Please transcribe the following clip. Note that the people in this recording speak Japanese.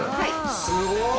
すごい！